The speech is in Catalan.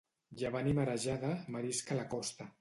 Llevant i marejada, marisc a la costa.